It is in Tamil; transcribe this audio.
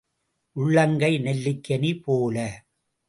உள்ளங்கை நெல்லிக் கனி போல.